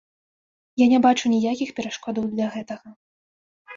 Я не бачу ніякіх перашкодаў для гэтага.